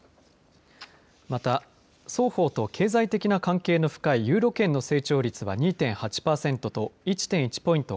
また、双方と経済的な関係の深いユーロ圏の成長率は２．８パーセントと１．１ポイント